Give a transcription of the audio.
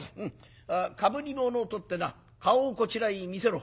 かぶり物を取ってな顔をこちらに見せろ。